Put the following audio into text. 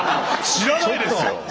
知らないですよ！